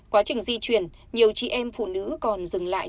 quá trình di chuyển nhiều chị em phụ nữ còn dừng lại